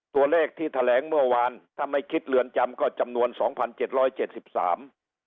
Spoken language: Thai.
ตัวเลขที่แถลงเมื่อวานถ้าไม่คิดเรือนจำก็จำนวนสองพันเจ็ดร้อยเจ็ดสิบสาม